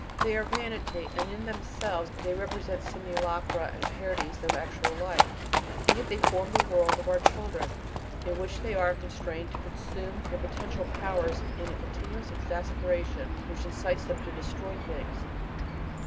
They are vanity, and in themselves they represent simulacra and parodies of actual life. And yet they form the world of our children, in which they are constrained to "consume" their potential powers in a continuous exasperation, which incites them to destroy things.